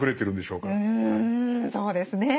うんそうですね。